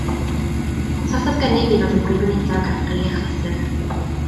Gwrthododd gynnig i ddod yn Brif Weinidog ar dri achlysur.